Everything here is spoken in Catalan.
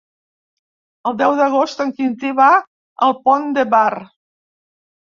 El deu d'agost en Quintí va al Pont de Bar.